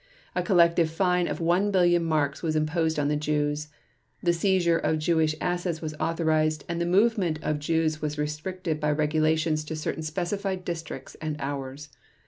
A collective fine of 1 billion marks was imposed on the Jews, the seizure of Jewish assets was authorized, and the movement of Jews was restricted by regulations to certain specified districts and hours.